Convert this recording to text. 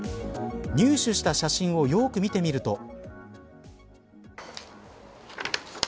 入手した写真をよく見てみると。